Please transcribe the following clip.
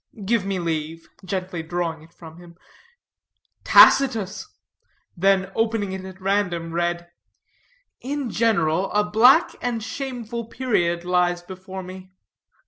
Give me leave," gently drawing it from him. "Tacitus!" Then opening it at random, read: "In general a black and shameful period lies before me."